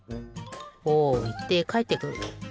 おいってかえってくる。